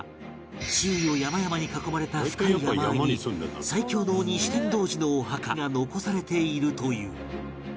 周囲を山々に囲まれた深い山あいに最強の鬼酒呑童子のお墓が残されているという